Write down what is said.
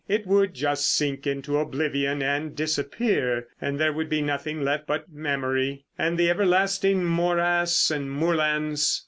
It would just sink into oblivion and disappear, and there would be nothing left but memory—and the everlasting morass and moorlands.